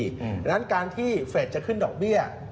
เพราะฉะนั้นการที่เฟสจะขึ้นดอกเบี้ย